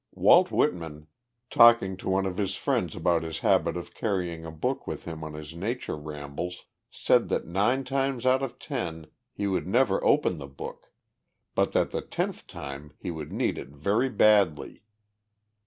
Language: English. Walt Whitman, talking to one of his friends about his habit of carrying a book with him on his nature rambles, said that nine times out of ten he would never open the book, but that the tenth time he would need it very badly.